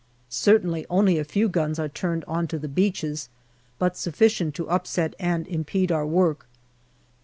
Certainly only a few guns are turned on to the beaches, but sufficient to upset and impede our work.